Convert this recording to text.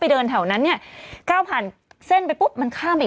เดินแถวนั้นเนี่ยก้าวผ่านเส้นไปปุ๊บมันข้ามไปอีก